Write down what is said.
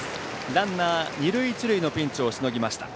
ランナー、二塁一塁のピンチをしのぎました。